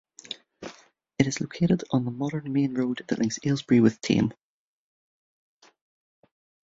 It is located on the modern main road that links Aylesbury with Thame.